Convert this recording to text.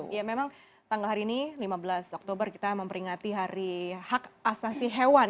ya memang tanggal hari ini lima belas oktober kita memperingati hari hak asasi hewan